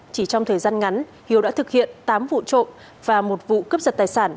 chỉ trong thời gian ngắn hiếu đã thực hiện tám vụ trộm và một vụ cướp giật tài sản